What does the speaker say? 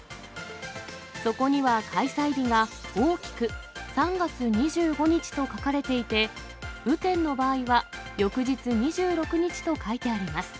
そこには開催日が大きく３月２５日と書かれていて、雨天の場合は翌日２６日と書いてあります。